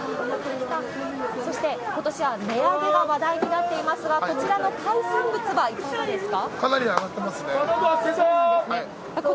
そして、ことしは値上げが話題になっていますが、こちらの海産物はいかがですか？